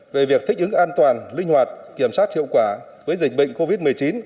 về việc thích ứng an toàn linh hoạt kiểm soát hiệu quả với dịch bệnh covid một mươi chín